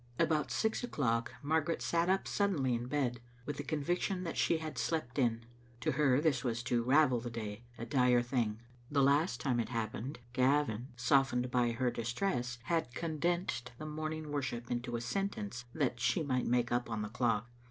About six o'clock Margaret sat tip suddenly in bed, with the conviction that she had slept in. To her this was to ravel the day: a dire thing. The last time it happened Gavin, softened by her distress, had condensed morning worship into a sentence that she might make jip on the clock.